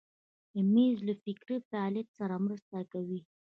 مېز له فکري فعالیت سره مرسته کوي.